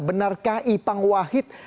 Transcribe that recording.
benarkah ibang wahid